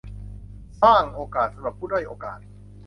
สร้างโอกาสสำหรับผู้ด้อยโอกาส